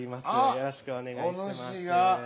よろしくお願いします。